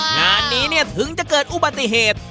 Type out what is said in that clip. งานนี้เนี่ยถึงจะเกิดอุบัติเหตุ